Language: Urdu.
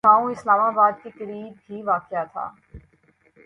گاؤں اسلام آباد کے قریب ہی واقع تھا